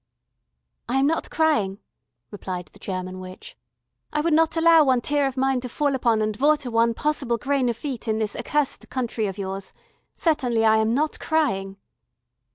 "I am not crying," replied the German witch. "I would not allow one tear of mine to fall upon and water one possible grain of wheat in this accursed country of yours. Certainly I am not crying."